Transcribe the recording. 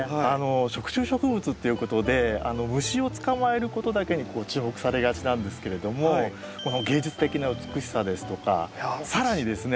食虫植物っていうことで虫を捕まえることだけに注目されがちなんですけれどもこの芸術的な美しさですとか更にですね